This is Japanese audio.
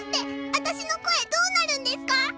わたしの声どうなるんですか？